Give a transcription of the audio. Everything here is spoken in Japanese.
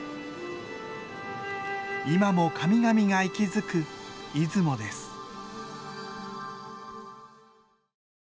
今も神々が息づく出雲です。